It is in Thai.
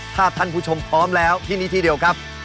ถ้าท่านผู้ชมพร้อมแล้วที่นี่ที่เดียวครับ